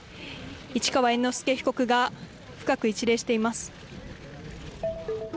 市川猿之助被告が深く一礼しています。